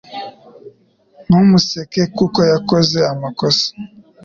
Ntumuseke kuko yakoze amakosa